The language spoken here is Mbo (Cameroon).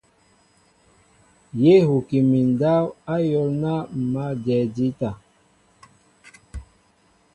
Yé huki mi ndáw áyól ná ḿ mǎl a jɛɛ ndíta.